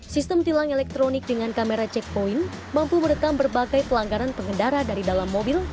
sistem tilang elektronik dengan kamera checkpoint mampu merekam berbagai pelanggaran pengendara dari dalam mobil